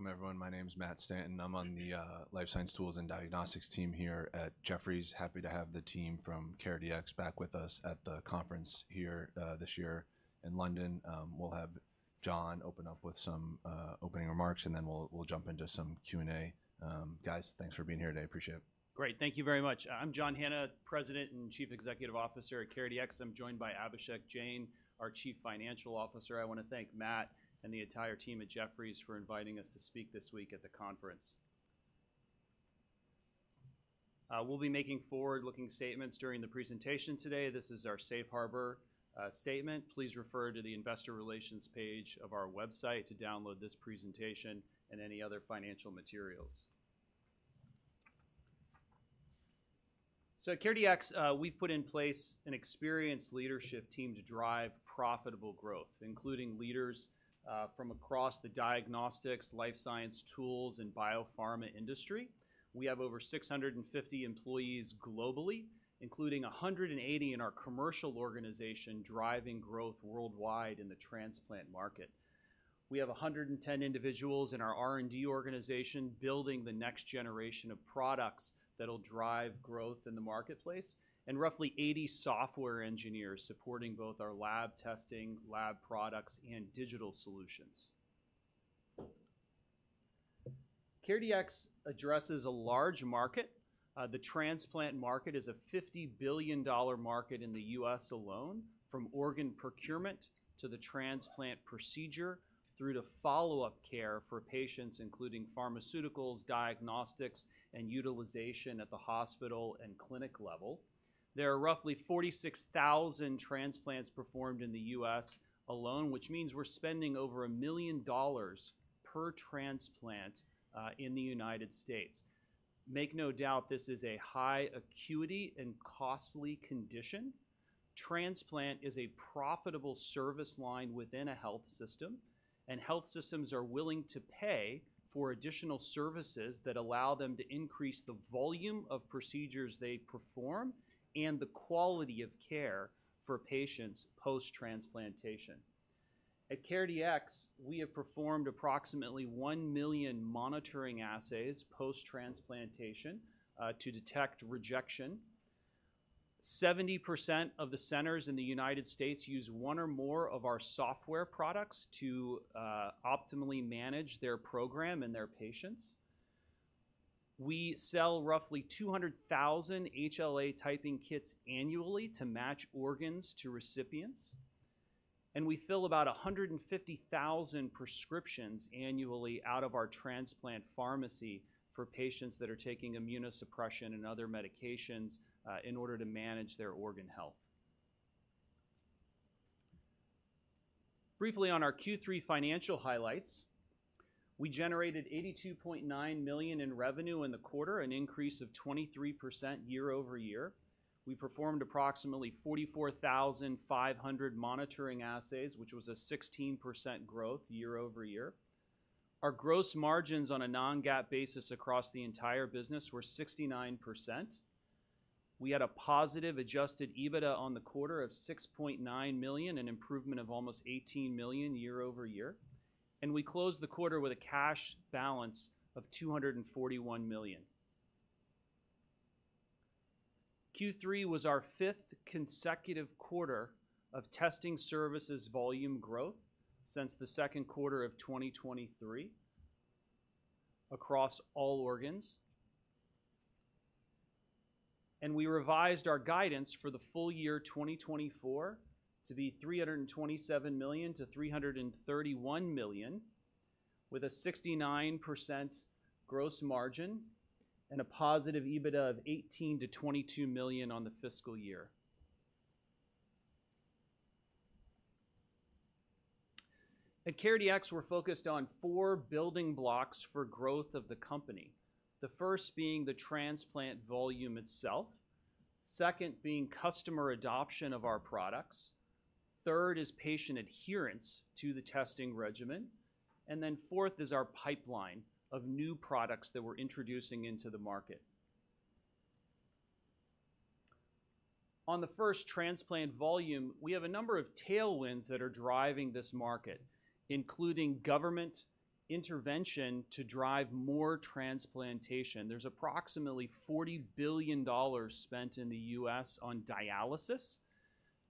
All right, welcome everyone. My name's Matt Stanton. I'm on the Life Science Tools and Diagnostics Team here at Jefferies. Happy to have the team from CareDx back with us at the conference here this year in London. We'll have John open up with some opening remarks, and then we'll jump into some Q&A. Guys, thanks for being here today. I appreciate it. Great. Thank you very much. I'm John Hanna, President and Chief Executive Officer at CareDx. I'm joined by Abhishek Jain, our Chief Financial Officer. I want to thank Matt and the entire team at Jefferies for inviting us to speak this week at the conference. We'll be making forward-looking statements during the presentation today. This is our Safe Harbor statement. Please refer to the Investor Relations page of our website to download this presentation and any other financial materials. So at CareDx, we've put in place an experienced leadership team to drive profitable growth, including leaders from across the diagnostics, life science tools, and biopharma industry. We have over 650 employees globally, including 180 in our commercial organization driving growth worldwide in the transplant market. We have 110 individuals in our R&D organization building the next generation of products that'll drive growth in the marketplace, and roughly 80 software engineers supporting both our lab testing, lab products, and digital solutions. CareDx addresses a large market. The transplant market is a $50 billion market in the U.S. alone, from organ procurement to the transplant procedure through to follow-up care for patients, including pharmaceuticals, diagnostics, and utilization at the hospital and clinic level. There are roughly 46,000 transplants performed in the U.S. alone, which means we're spending over $1 million per transplant in the United States. Make no doubt this is a high acuity and costly condition. Transplant is a profitable service line within a health system, and health systems are willing to pay for additional services that allow them to increase the volume of procedures they perform and the quality of care for patients post-transplantation. At CareDx, we have performed approximately 1 million monitoring assays post-transplantation to detect rejection. 70% of the centers in the United States use one or more of our software products to optimally manage their program and their patients. We sell roughly 200,000 HLA typing kits annually to match organs to recipients, and we fill about 150,000 prescriptions annually out of our transplant pharmacy for patients that are taking immunosuppression and other medications in order to manage their organ health. Briefly on our Q3 financial highlights: we generated $82.9 million in revenue in the quarter, an increase of 23% year-over-year. We performed approximately 44,500 monitoring assays, which was a 16% growth year-over-year. Our gross margins on a non-GAAP basis across the entire business were 69%. We had a positive adjusted EBITDA on the quarter of $6.9 million, an improvement of almost $18 million year-over-year, and we closed the quarter with a cash balance of $241 million. Q3 was our fifth consecutive quarter of testing services volume growth since the second quarter of 2023 across all organs, and we revised our guidance for the full year 2024 to be $327 million-$331 million, with a 69% gross margin and a positive EBITDA of $18-$22 million on the fiscal year. At CareDx, we're focused on four building blocks for growth of the company, the first being the transplant volume itself, second being customer adoption of our products, third is patient adherence to the testing regimen, and then fourth is our pipeline of new products that we're introducing into the market. On the first transplant volume, we have a number of tailwinds that are driving this market, including government intervention to drive more transplantation. There's approximately $40 billion spent in the U.S. on dialysis.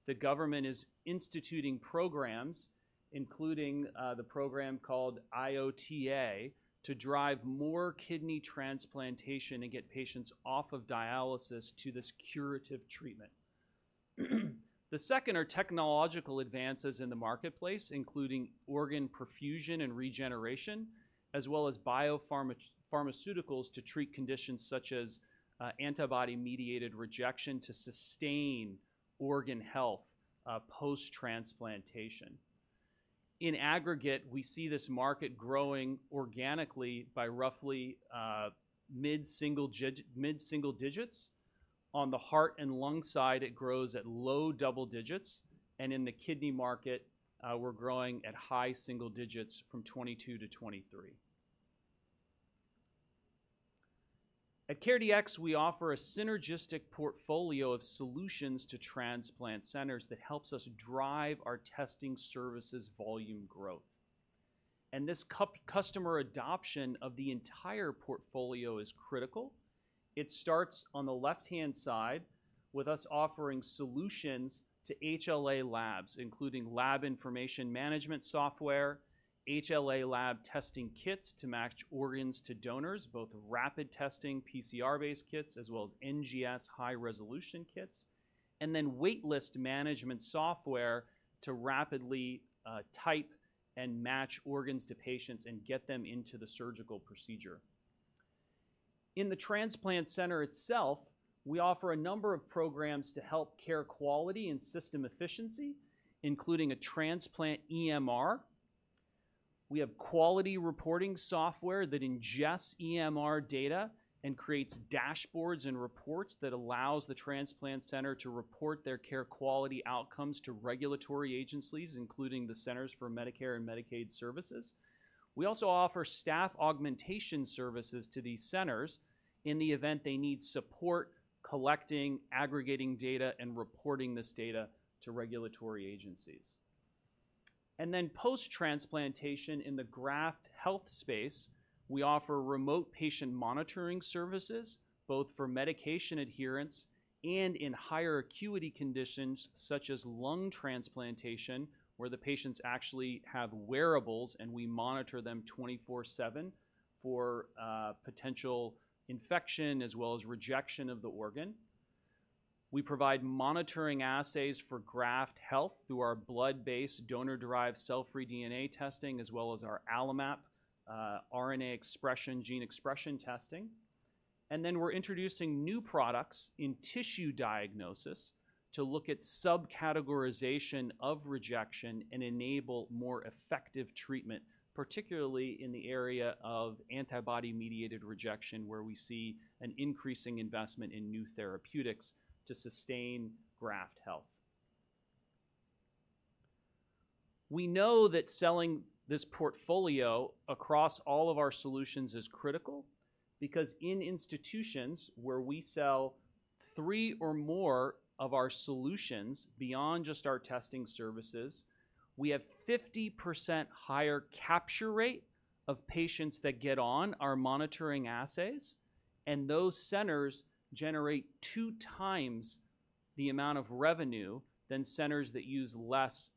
The government is instituting programs, including the program called IOTA, to drive more kidney transplantation and get patients off of dialysis to this curative treatment. The second are technological advances in the marketplace, including organ perfusion and regeneration, as well as biopharmaceuticals to treat conditions such as antibody-mediated rejection to sustain organ health post-transplantation. In aggregate, we see this market growing organically by roughly mid-single digits. On the heart and lung side, it grows at low double digits, and in the kidney market, we're growing at high single digits from 2022-2023. At CareDx, we offer a synergistic portfolio of solutions to transplant centers that helps us drive our testing services volume growth, and this customer adoption of the entire portfolio is critical. It starts on the left-hand side with us offering solutions to HLA labs, including lab information management software, HLA lab testing kits to match organs to donors, both rapid testing PCR-based kits as well as NGS high-resolution kits, and then waitlist management software to rapidly type and match organs to patients and get them into the surgical procedure. In the transplant center itself, we offer a number of programs to help care quality and system efficiency, including a transplant EMR. We have quality reporting software that ingests EMR data and creates dashboards and reports that allows the transplant center to report their care quality outcomes to regulatory agencies, including the Centers for Medicare and Medicaid Services. We also offer staff augmentation services to these centers in the event they need support collecting, aggregating data, and reporting this data to regulatory agencies, and then post-transplantation in the graft health space, we offer remote patient monitoring services, both for medication adherence and in higher acuity conditions such as lung transplantation, where the patients actually have wearables, and we monitor them 24/7 for potential infection as well as rejection of the organ. We provide monitoring assays for graft health through our blood-based donor-derived cell-free DNA testing as well as our AlloMap RNA expression gene expression testing, and then we're introducing new products in tissue diagnosis to look at subcategorization of rejection and enable more effective treatment, particularly in the area of antibody-mediated rejection, where we see an increasing investment in new therapeutics to sustain graft health. We know that selling this portfolio across all of our solutions is critical because in institutions where we sell three or more of our solutions beyond just our testing services, we have a 50% higher capture rate of patients that get on our monitoring assays, and those centers generate two times the amount of revenue than centers that use less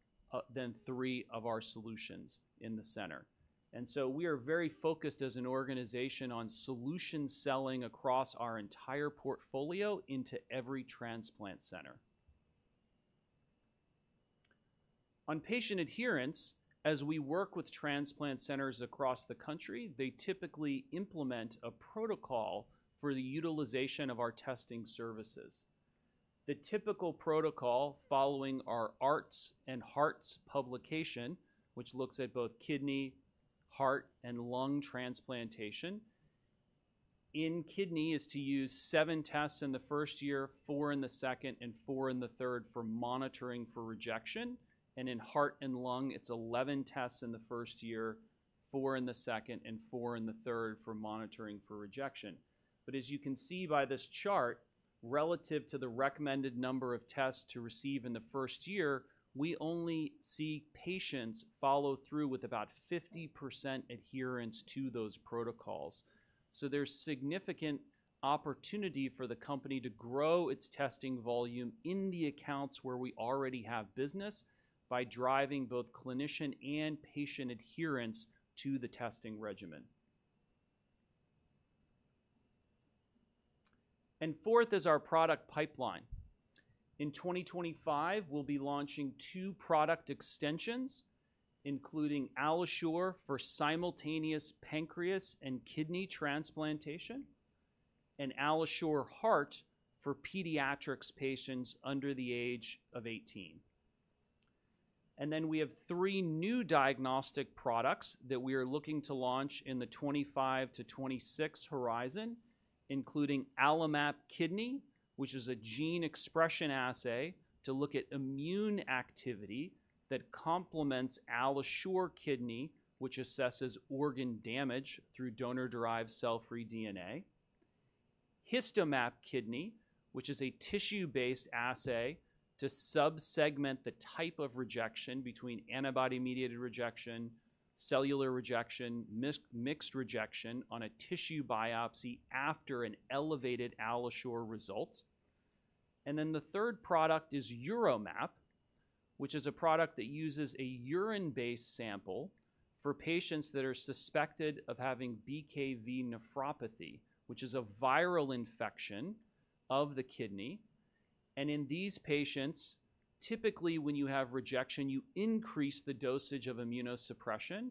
than three of our solutions in the center, and so we are very focused as an organization on solution selling across our entire portfolio into every transplant center. On patient adherence, as we work with transplant centers across the country, they typically implement a protocol for the utilization of our testing services. The typical protocol following our ARTS and HARTS publication, which looks at both kidney, heart, and lung transplantation, in kidney is to use seven tests in the first year, four in the second, and four in the third for monitoring for rejection, and in heart and lung, it's 11 tests in the first year, four in the second, and four in the third for monitoring for rejection. But as you can see by this chart, relative to the recommended number of tests to receive in the first year, we only see patients follow through with about 50% adherence to those protocols. So there's significant opportunity for the company to grow its testing volume in the accounts where we already have business by driving both clinician and patient adherence to the testing regimen, and fourth is our product pipeline. In 2025, we'll be launching two product extensions, including AlloSure for simultaneous pancreas and kidney transplantation and AlloSure Heart for pediatric patients under the age of 18, and then we have three new diagnostic products that we are looking to launch in the 2025-2026 horizon, including AlloMap Kidney, which is a gene expression assay to look at immune activity that complements AlloSure Kidney, which assesses organ damage through donor-derived cell-free DNA, HistoMap Kidney, which is a tissue-based assay to subsegment the type of rejection between antibody-mediated rejection, cellular rejection, mixed rejection on a tissue biopsy after an elevated AlloSure result, and then the third product is UroMap, which is a product that uses a urine-based sample for patients that are suspected of having BKV nephropathy, which is a viral infection of the kidney. And in these patients, typically when you have rejection, you increase the dosage of immunosuppression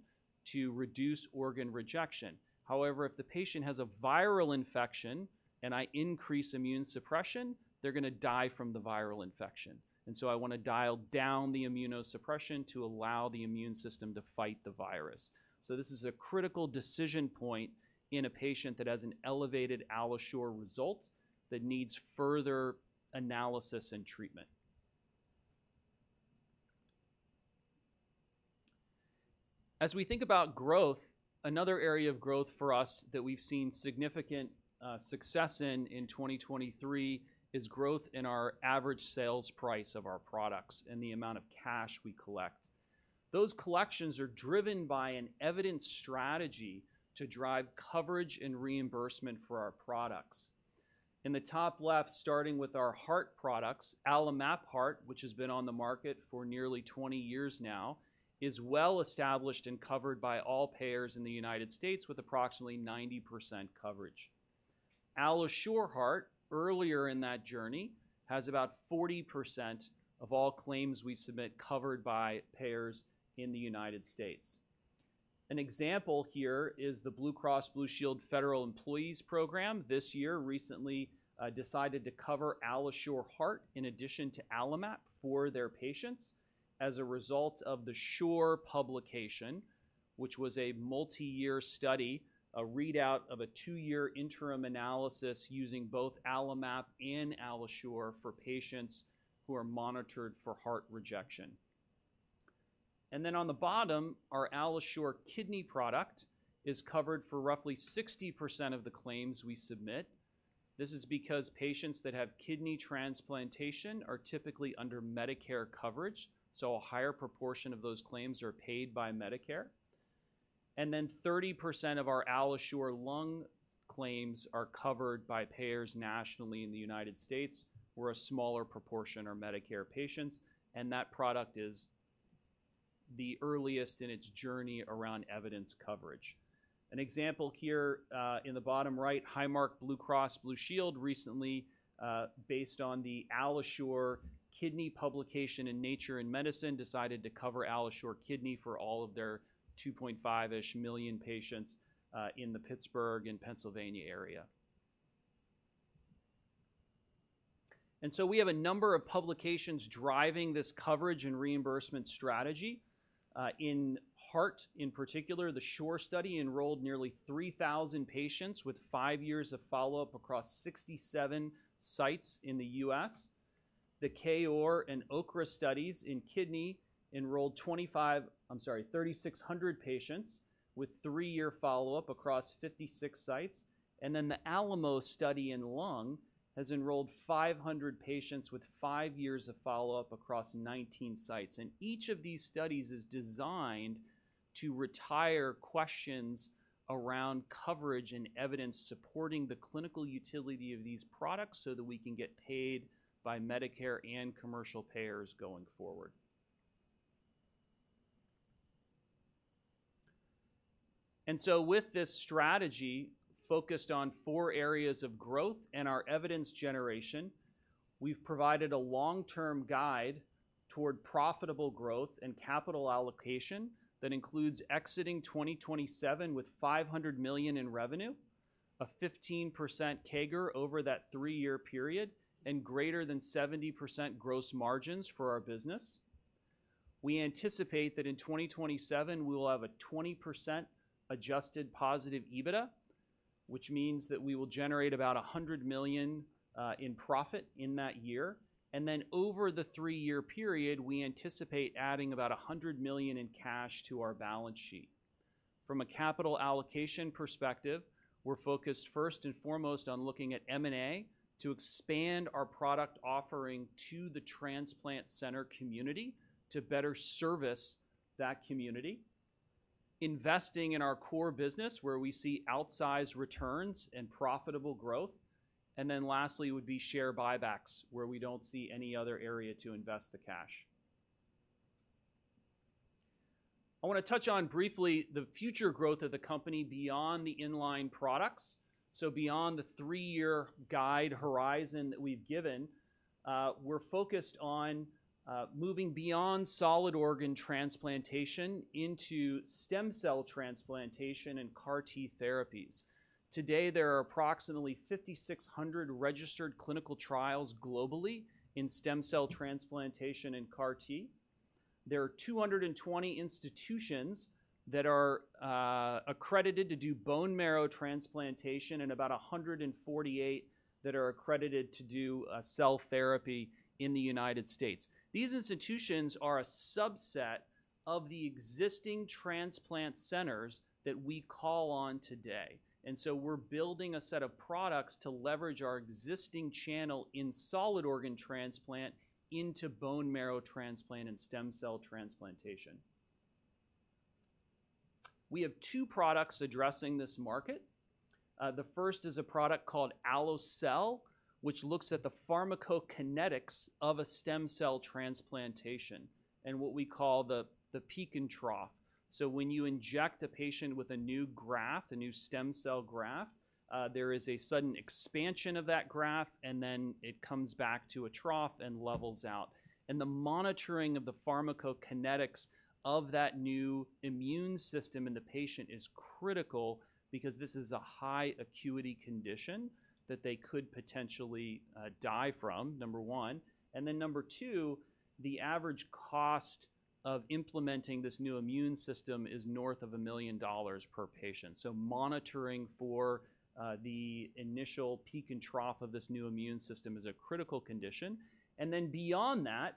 to reduce organ rejection. However, if the patient has a viral infection and I increase immune suppression, they're going to die from the viral infection. And so I want to dial down the immunosuppression to allow the immune system to fight the virus. So this is a critical decision point in a patient that has an elevated AlloSure result that needs further analysis and treatment. As we think about growth, another area of growth for us that we've seen significant success in in 2023 is growth in our average sales price of our products and the amount of cash we collect. Those collections are driven by an evidence strategy to drive coverage and reimbursement for our products. In the top left, starting with our heart products, AlloMap Heart, which has been on the market for nearly 20 years now, is well established and covered by all payers in the United States with approximately 90% coverage. AlloSure Heart, earlier in that journey, has about 40% of all claims we submit covered by payers in the United States. An example here is the Blue Cross and Blue Shield Federal Employee Program. This year, recently decided to cover AlloSure Heart in addition to AlloMap for their patients as a result of the SURE publication, which was a multi-year study, a readout of a two-year interim analysis using both AlloMap and AlloSure for patients who are monitored for heart rejection. And then on the bottom, our AlloSure Kidney product is covered for roughly 60% of the claims we submit. This is because patients that have kidney transplantation are typically under Medicare coverage, so a higher proportion of those claims are paid by Medicare, and then 30% of our AlloSure Lung claims are covered by payers nationally in the United States, where a smaller proportion are Medicare patients, and that product is the earliest in its journey around evidence coverage. An example here in the bottom right, Highmark Blue Cross Blue Shield recently, based on the AlloSure Kidney publication in Nature and Medicine, decided to cover AlloSure Kidney for all of their 2.5-ish million patients in the Pittsburgh and Pennsylvania area, and so we have a number of publications driving this coverage and reimbursement strategy. In heart, in particular, the SURE study enrolled nearly 3,000 patients with five years of follow-up across 67 sites in the U.S. The KOR and OKRA studies in kidney enrolled 25, I'm sorry, 3,600 patients with three-year follow-up across 56 sites, and then the ALAMO study in lung has enrolled 500 patients with five years of follow-up across 19 sites. And each of these studies is designed to retire questions around coverage and evidence supporting the clinical utility of these products so that we can get paid by Medicare and commercial payers going forward. And so with this strategy focused on four areas of growth and our evidence generation, we've provided a long-term guide toward profitable growth and capital allocation that includes exiting 2027 with $500 million in revenue, a 15% CAGR over that three-year period, and greater than 70% gross margins for our business. We anticipate that in 2027, we will have a 20% adjusted positive EBITDA, which means that we will generate about $100 million in profit in that year. And then over the three-year period, we anticipate adding about $100 million in cash to our balance sheet. From a capital allocation perspective, we're focused first and foremost on looking at M&A to expand our product offering to the transplant center community to better service that community, investing in our core business where we see outsized returns and profitable growth, and then lastly would be share buybacks where we don't see any other area to invest the cash. I want to touch on briefly the future growth of the company beyond the inline products. So beyond the three-year guide horizon that we've given, we're focused on moving beyond solid organ transplantation into stem cell transplantation and CAR T therapies. Today, there are approximately 5,600 registered clinical trials globally in stem cell transplantation and CAR T. There are 220 institutions that are accredited to do bone marrow transplantation and about 148 that are accredited to do cell therapy in the United States. These institutions are a subset of the existing transplant centers that we call on today. And so we're building a set of products to leverage our existing channel in solid organ transplant into bone marrow transplant and stem cell transplantation. We have two products addressing this market. The first is a product called AlloCell, which looks at the pharmacokinetics of a stem cell transplantation and what we call the peak and trough. So when you inject a patient with a new graft, a new stem cell graft, there is a sudden expansion of that graft, and then it comes back to a trough and levels out. The monitoring of the pharmacokinetics of that new immune system in the patient is critical because this is a high acuity condition that they could potentially die from, number one. Then number two, the average cost of implementing this new immune system is north of $1 million per patient. So monitoring for the initial peak and trough of this new immune system is a critical condition. Then beyond that,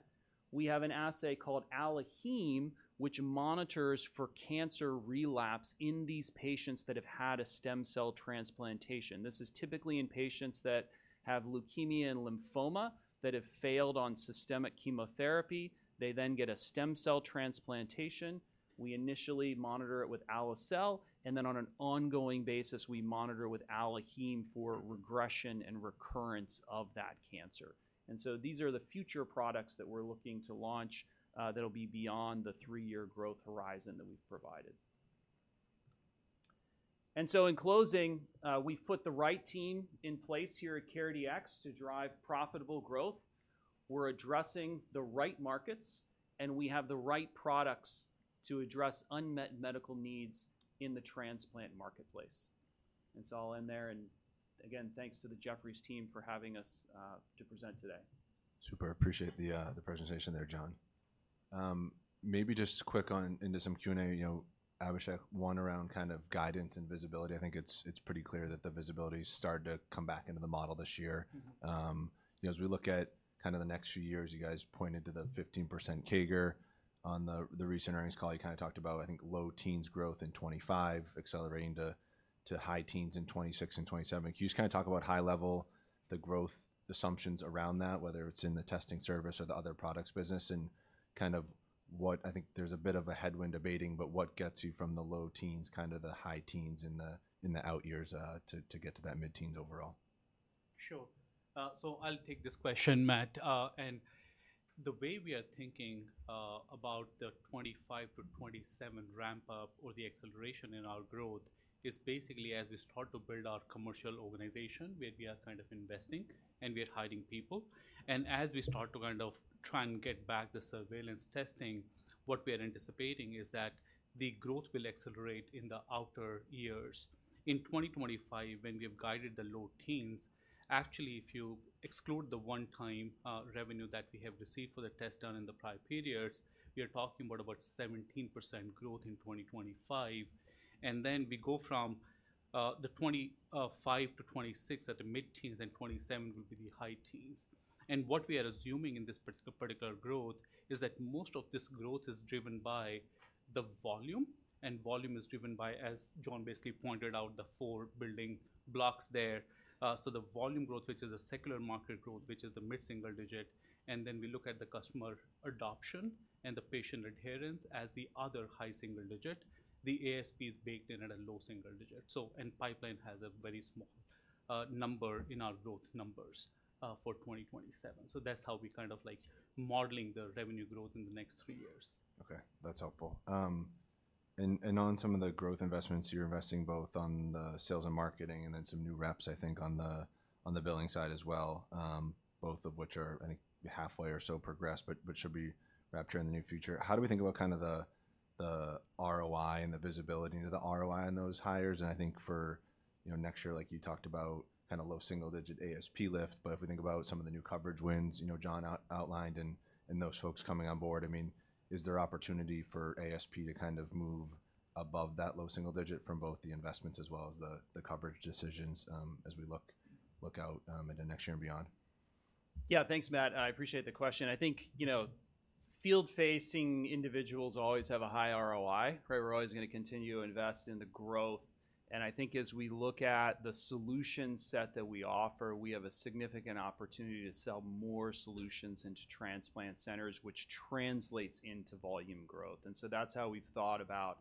we have an assay called AlloHeme, which monitors for cancer relapse in these patients that have had a stem cell transplantation. This is typically in patients that have leukemia and lymphoma that have failed on systemic chemotherapy. They then get a stem cell transplantation. We initially monitor it with AlloCell, and then on an ongoing basis, we monitor with AlloHeme for regression and recurrence of that cancer. And so these are the future products that we're looking to launch that'll be beyond the three-year growth horizon that we've provided. And so in closing, we've put the right team in place here at CareDx to drive profitable growth. We're addressing the right markets, and we have the right products to address unmet medical needs in the transplant marketplace. And so I'll end there. And again, thanks to the Jefferies team for having us to present today. Super. Appreciate the presentation there, John. Maybe just quick on into some Q&A, Abhishek, one around kind of guidance and visibility. I think it's pretty clear that the visibility started to come back into the model this year. As we look at kind of the next few years, you guys pointed to the 15% CAGR on the recent earnings call. You kind of talked about, I think, low teens growth in 2025 accelerating to high teens in 2026 and 2027. Can you just kind of talk about high-level the growth assumptions around that, whether it's in the testing service or the other products business, and kind of what I think there's a bit of a headwind debating, but what gets you from the low teens kind of the high teens in the out years to get to that mid-teens overall? Sure. So I'll take this question, Matt. And the way we are thinking about the 2025-2027 ramp-up or the acceleration in our growth is basically as we start to build our commercial organization where we are kind of investing and we are hiring people. And as we start to kind of try and get back the surveillance testing, what we are anticipating is that the growth will accelerate in the outer years. In 2025, when we have guided the low teens, actually, if you exclude the one-time revenue that we have received for the test done in the prior periods, we are talking about 17% growth in 2025. And then we go from the 2025-2026 at the mid-teens and 2027 will be the high teens. What we are assuming in this particular growth is that most of this growth is driven by the volume, and volume is driven by, as John basically pointed out, the four building blocks there. So the volume growth, which is a secular market growth, which is the mid-single-digit, and then we look at the customer adoption and the patient adherence as the other high-single-digit, the ASP is baked in at a low-single-digit. So and pipeline has a very small number in our growth numbers for 2027. So that's how we kind of like modeling the revenue growth in the next three years. Okay. That's helpful. And on some of the growth investments, you're investing both on the sales and marketing and then some new reps, I think, on the billing side as well, both of which are, I think, halfway or so progressed, but should be wrapped here in the near future. How do we think about kind of the ROI and the visibility into the ROI on those hires? And I think for next year, like you talked about kind of low single-digit ASP lift, but if we think about some of the new coverage wins, John outlined and those folks coming on board, I mean, is there opportunity for ASP to kind of move above that low single digit from both the investments as well as the coverage decisions as we look out into next year and beyond? Yeah, thanks, Matt. I appreciate the question. I think field-facing individuals always have a high ROI, right? We're always going to continue to invest in the growth. And I think as we look at the solution set that we offer, we have a significant opportunity to sell more solutions into transplant centers, which translates into volume growth. And so that's how we've thought about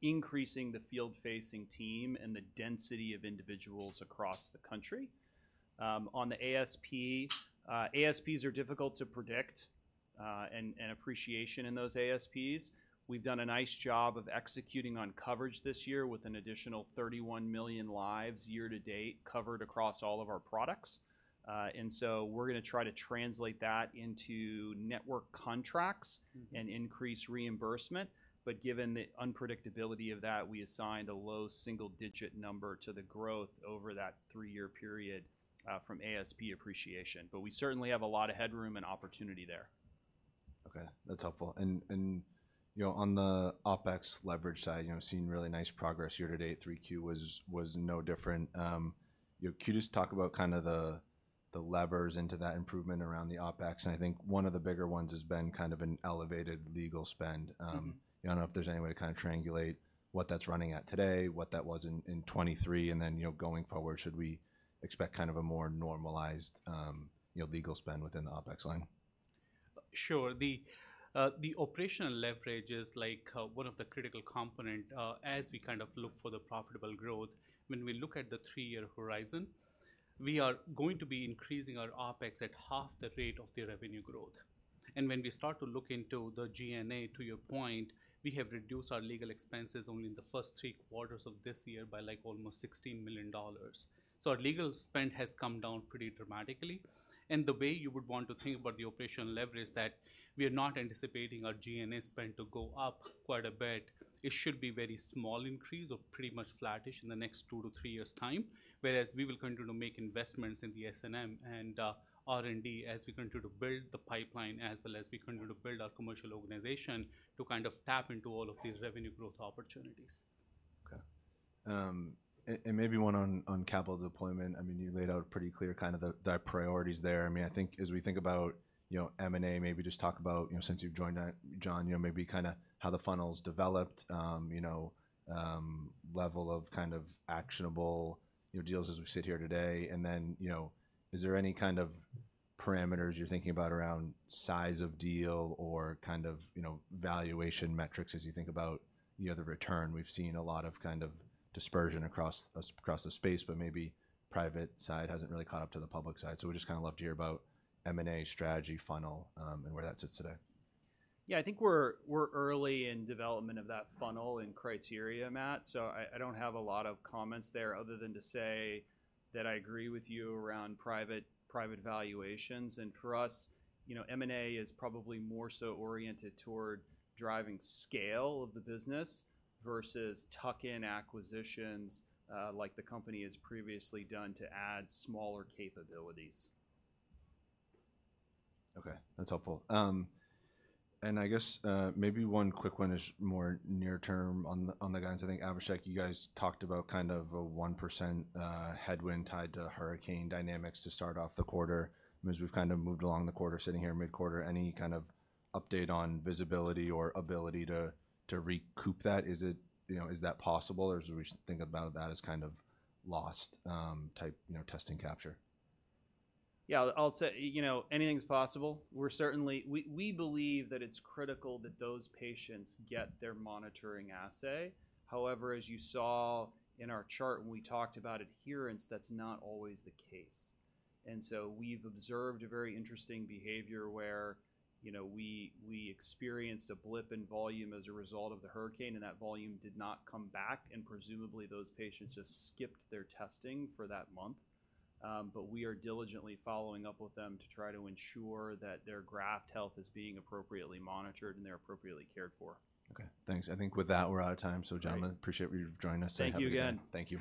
increasing the field-facing team and the density of individuals across the country. On the ASP, ASPs are difficult to predict and appreciation in those ASPs. We've done a nice job of executing on coverage this year with an additional 31 million lives year to date covered across all of our products. And so we're going to try to translate that into network contracts and increase reimbursement. But given the unpredictability of that, we assigned a low single-digit number to the growth over that three-year period from ASP appreciation. But we certainly have a lot of headroom and opportunity there. Okay. That's helpful. And on the OpEx leverage side, seeing really nice progress year to date, 3Q was no different. Can you just talk about kind of the levers into that improvement around the OpEx? And I think one of the bigger ones has been kind of an elevated legal spend. I don't know if there's any way to kind of triangulate what that's running at today, what that was in 2023, and then going forward, should we expect kind of a more normalized legal spend within the OpEx line? Sure. The operational leverage is like one of the critical components as we kind of look for the profitable growth. When we look at the three-year horizon, we are going to be increasing our OpEx at half the rate of the revenue growth. And when we start to look into the G&A, to your point, we have reduced our legal expenses only in the first three quarters of this year by like almost $16 million. So our legal spend has come down pretty dramatically. And the way you would want to think about the operational leverage is that we are not anticipating our G&A spend to go up quite a bit. It should be a very small increase or pretty much flattish in the next two to three years' time, whereas we will continue to make investments in the S&M and R&D as we continue to build the pipeline as well as we continue to build our commercial organization to kind of tap into all of these revenue growth opportunities. Okay. And maybe one on capital deployment. I mean, you laid out pretty clear kind of the priorities there. I mean, I think as we think about M&A, maybe just talk about, since you've joined that, John, maybe kind of how the funnel's developed, level of kind of actionable deals as we sit here today. And then is there any kind of parameters you're thinking about around size of deal or kind of valuation metrics as you think about the return? We've seen a lot of kind of dispersion across the space, but maybe private side hasn't really caught up to the public side. So we'd just kind of love to hear about M&A strategy funnel and where that sits today. Yeah, I think we're early in development of that funnel and criteria, Matt. So I don't have a lot of comments there other than to say that I agree with you around private valuations. And for us, M&A is probably more so oriented toward driving scale of the business versus tuck-in acquisitions like the company has previously done to add smaller capabilities. Okay. That's helpful. And I guess maybe one quick one is more near-term on the guidance. I think, Abhishek, you guys talked about kind of a 1% headwind tied to hurricane dynamics to start off the quarter. As we've kind of moved along the quarter, sitting here mid-quarter, any kind of update on visibility or ability to recoup that? Is that possible or do we think about that as kind of lost type testing capture? Yeah, I'll say anything's possible. We believe that it's critical that those patients get their monitoring assay. However, as you saw in our chart when we talked about adherence, that's not always the case. And so we've observed a very interesting behavior where we experienced a blip in volume as a result of the hurricane, and that volume did not come back, and presumably those patients just skipped their testing for that month. But we are diligently following up with them to try to ensure that their graft health is being appropriately monitored and they're appropriately cared for. Okay. Thanks. I think with that, we're out of time. So, John, I appreciate you joining us today. Thank you again. Thank you.